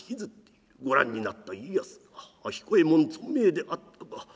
ご覧になった家康「彦右衛門存命であったか。